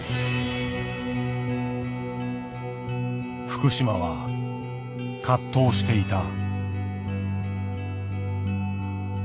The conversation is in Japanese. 福島は葛藤していた。